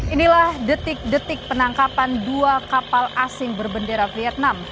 inilah detik detik penangkapan dua kapal asing berbendera vietnam